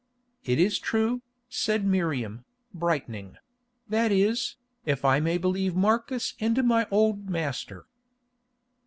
"It is true," said Miriam, brightening; "that is, if I may believe Marcus and my old master."